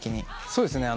そうですね。